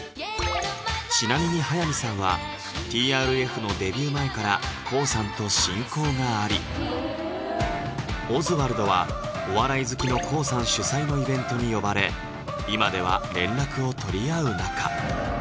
ちなみに早見さんは「ＴＲＦ」のデビュー前からＫＯＯさんと親交があり「オズワルド」はお笑い好きのＫＯＯさん主催のイベントに呼ばれ今では連絡を取り合う仲